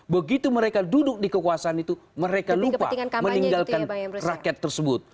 begitu mereka duduk di kekuasaan itu mereka lupa meninggalkan rakyat tersebut